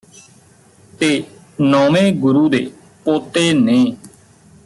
ਤੇ ਨੌਵੇਂ ਗੁਰੂ ਦੇ ਪੋਤੇ ਨੇ